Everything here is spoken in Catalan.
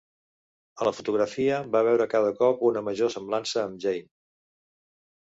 A la fotografia va veure cada cop una major semblança amb Jeanne.